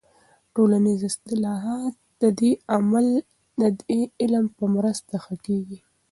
ټولنیز اصلاحات د دې علم په مرسته ښه کیږي.